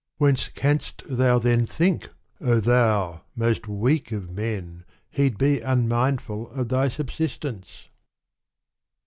Whence l Canst thou then think, O thou most weak of men ! He'd be unmindful of thy subsistence?